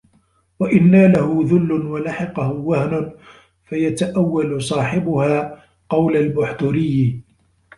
وَإِنْ نَالَهُ ذُلٌّ وَلَحِقَهُ وَهْنٌ فَيَتَأَوَّلُ صَاحِبُهَا قَوْلَ الْبُحْتُرِيِّ